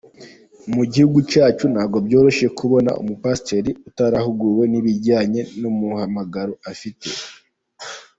Mu gihugu cyacu ntibyoroshye kubona umupasiteri utarahuguwe nibijyanye numuhamagaro afite.